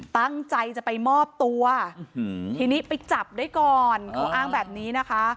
ตั้งใจจะไปมอบตัวทีนี้ไปจับได้ก่อนเขาอ้างแบบนี้นะคะ